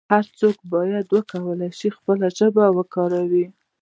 هر څوک باید وکولای شي خپله ژبه وکاروي.